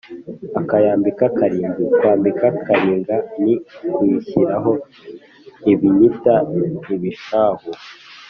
akayambika karindwi: kwambika karinga ni ukuyishyiraho ibinyita (ibishahu)